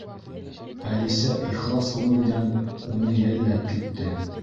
Әлисә ихлас күңелдән уны йәлләп китте.